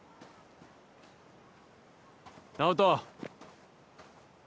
直人。